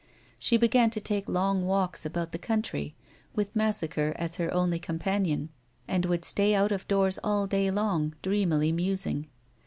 She began to take long walks about the country, with Massacre as her only companion, and would stay out of doors all day long, dreamily musing.